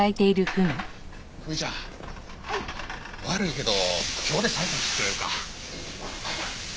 悪いけど今日で最後にしてくれるか。